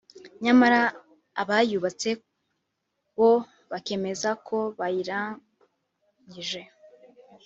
nyamara abayubatse bo bakemeza ko bayirangije